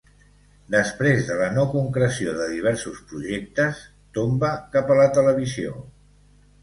Després de la no concreció de diversos projectes, tomba cap a la televisió.